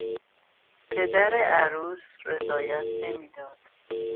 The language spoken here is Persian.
پدر عروس رضایت نمیداد.